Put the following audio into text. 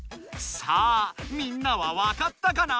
さあみんなはわかったかな？